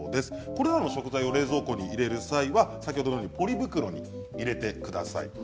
これらの食材を冷蔵庫に入れる際は、先ほどのようにポリ袋に入れてください。